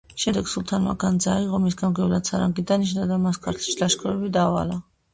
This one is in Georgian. შემდეგ სულთანმა განძა აიღო, მის გამგებლად სარანგი დანიშნა და მას ქართლში ლაშქრობები დაავალა.